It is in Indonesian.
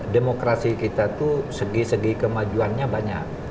demokrasi kita itu segi segi kemajuannya banyak